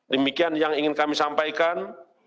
demikian yang ingin kami sampaikan